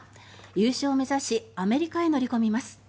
優勝を目指しアメリカへ乗り込みます。